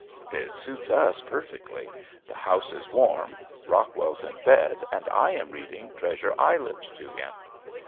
It suits us perfectly. The house is warm, Rockwell's in bed, and I am reading "Treasure Island" to him.